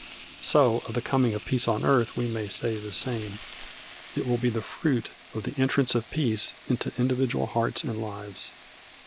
So of the coming of peace on earth we may say the same: it will be the fruit of the entrance of peace into individual hearts and lives.